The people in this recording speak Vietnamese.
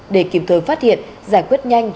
để kịp thời phát hiện giải quyết nhanh